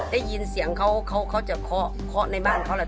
ได้ยินเสียงเขาเขาจะเคาะเคาะในบ้านเขาแหละ